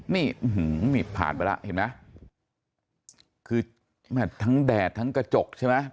นี่ผ่านไปแล้วเห็นไหมคือแม่ทั้งแดดทั้งกระจกใช่ไหม